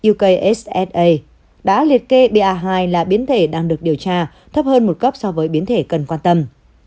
yoksa đã liệt kê ba hai là biến thể đang được điều tra thấp hơn một cấp so với biến thể cần quan tâm